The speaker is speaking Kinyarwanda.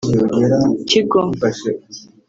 Tigo